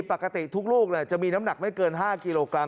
ปกติทุกลูกจะมีน้ำหนักไม่เกิน๕กิโลกรั